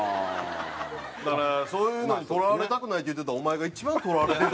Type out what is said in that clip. だからそういうのにとらわれたくないって言ってたお前が一番とらわれてる。